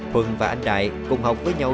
huân và anh đại cùng học với nhau